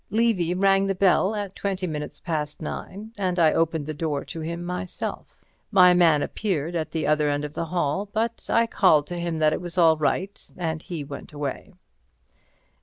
Levy rang the bell at twenty minutes past nine, and I opened the door to him myself. My man appeared at the other end of the hall, but I called to him that it was all right, and he went away.